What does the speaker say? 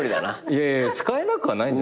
いやいやいや使えなくはないんじゃ。